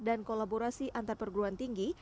dan kolaborasi antar perguruan tinggi